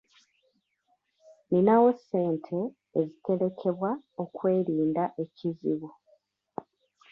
Nninawo ssente eziterekebwa okwerinda ekizibu.